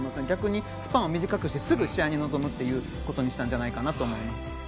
逆にスパンを短くしてすぐ試合に臨むということにしたんじゃないかなと思います。